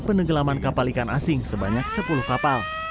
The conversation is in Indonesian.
penenggelaman kapal ikan asing sebanyak sepuluh kapal